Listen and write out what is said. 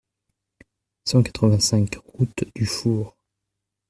cent quatre-vingt-cinq route du Four